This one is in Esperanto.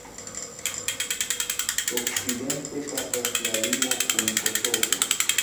Okcidente pasas la limo kun Kosovo.